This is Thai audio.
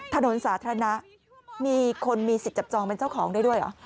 ถนนสาธารณะมีคนมีสิทธิ์จับจองเป็นเจ้าของได้ด้วยเหรอ